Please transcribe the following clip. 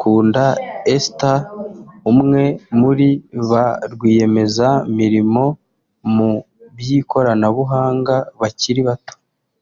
Kunda Esther umwe muri ba rwiyemezamirimo mu by’ikoranabuhanga bakiri bato